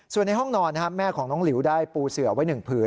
ส่วนในห้องนอนนะครับแม่ของน้องหลิวได้ปูเสือไว้หนึ่งผืน